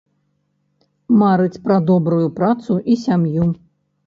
Марыць пра добрую працу і сям'ю.